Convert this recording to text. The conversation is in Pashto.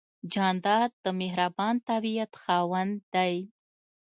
جانداد د مهربان طبیعت خاوند دی.